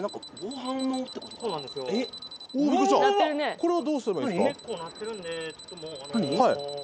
これはどうすればいいんですか？